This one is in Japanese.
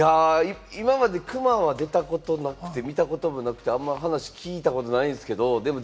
今までクマは出たこともなくて、見たこともなくて、話も聞いたことないんですけれども、